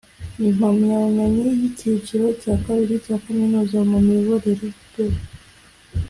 impamyabumenyi y’icyiciro cya kabiri cya Kaminuza mu miyoborere (B